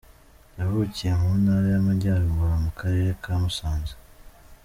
Yavukiye mu Ntara y’Amajyaruguru mu Karere ka Musanze.